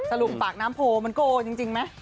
สรุปฝากน้ำโผมันโกลจริงมั้ย